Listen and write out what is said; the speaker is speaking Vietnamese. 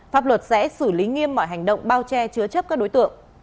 pháp luật sẽ xử lý nghiêm mọi hành động bao che chứa chấp các đối tượng